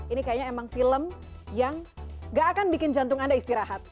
ini kayaknya emang film yang gak akan bikin jantung anda istirahat